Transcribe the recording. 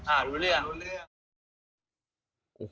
อ่ารู้เรื่อง